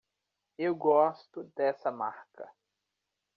Eu gosto dessa marca.